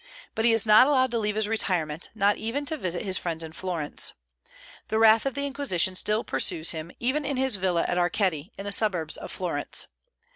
But he is not allowed to leave his retirement, not even to visit his friends in Florence. The wrath of the Inquisition still pursues him, even in his villa at Arceti in the suburbs of Florence.